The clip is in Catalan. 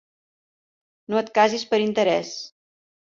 No et casis per interès.